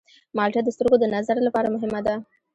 مالټه د سترګو د نظر لپاره مهمه ده.